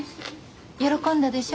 喜んだでしょ？